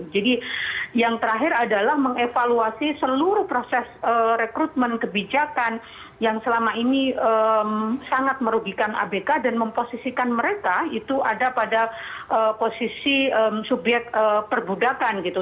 yang terakhir adalah mengevaluasi seluruh proses rekrutmen kebijakan yang selama ini sangat merugikan abk dan memposisikan mereka itu ada pada posisi subyek perbudakan gitu